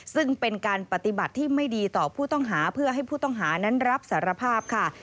ซึ่งเป็นการปฏิบัติที่ไม่ดีต่อผู้ต้องหาเพื่อให้ผู้ต้องหานั้นรับสารภาพค่ะ